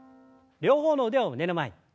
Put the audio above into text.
両方の腕を胸の前に。